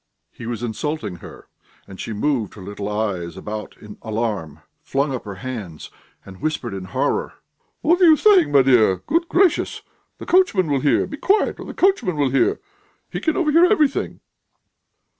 He was insulting her, and she moved her little eyes about in alarm, flung up her hands, and whispered in horror: "What are you saying, my dear! Good gracious! the coachman will hear! Be quiet or the coachman will hear! He can overhear everything."